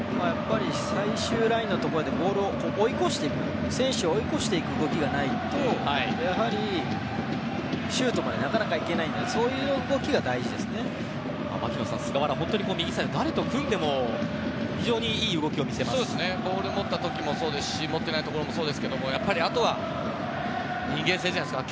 最終ラインのところでボール選手を追い越していく動きがないとやはり、シュートまでなかなか行けないので槙野さん菅原は本当に右サイド誰と組んでもボールを持った時もそうですし持ってない時もそうですがあとは人間性じゃないですか。